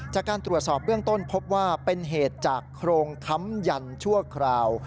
จากการตรวจสอบเบื้องต้นพบว่าเป็นเหตุจากโครงค้ำยันชั่วคราว